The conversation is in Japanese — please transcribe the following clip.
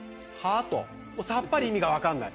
さっぱり意味が分かんない。